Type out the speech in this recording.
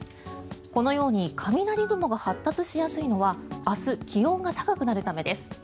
このように雷雲が発達しやすいのは明日、気温が高くなるためです。